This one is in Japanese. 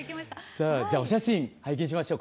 さあじゃあお写真拝見しましょう。